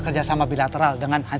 pikir dufag diwawihkan